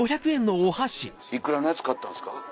いくらのやつ買ったんですか？